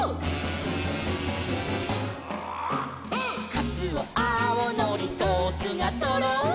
「かつおあおのりソースがとろり」